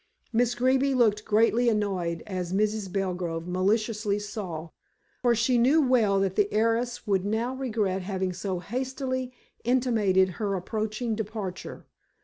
Miss Greeby looked greatly annoyed, as Mrs. Belgrove maliciously saw, for she knew well that the heiress would now regret having so hastily intimated her approaching departure.